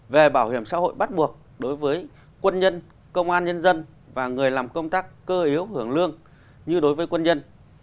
về bảo hiểm xã hội bắt buộc đối với quân nhân công an nhân dân và người làm công tác cơ yếu hưởng lương như đối với quân nhân